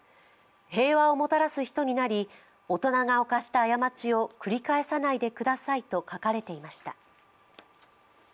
平和をもたらす人になり、大人が犯した過ちを繰り返さないでくださいと書かれていました。